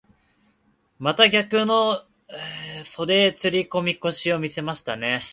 また逆の袖釣り込み腰を見せましたね。